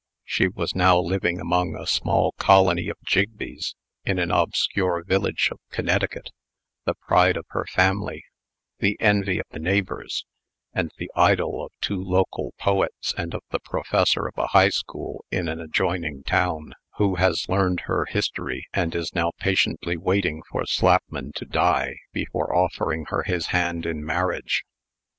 She is now living among a small colony of Jigbees, in an obscure village of Connecticut, the pride of her family, the envy of the neighbors, and the idol of two local poets and of the professor of a High School in an adjoining town, who has learned her history, and is now patiently waiting for Slapman to die before offering her his hand in marriage.